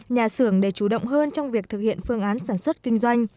nhà xưởng để chủ động hơn trong việc thực hiện phương án sản xuất kinh doanh